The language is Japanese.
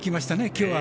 きょうは。